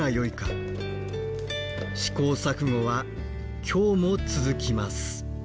試行錯誤は今日も続きます。